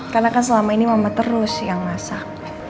karena kan selama ini mama terus yang masak